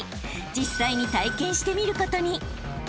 ［実際に体験してみることに］